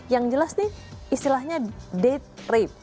yang jelas nih istilahnya date rape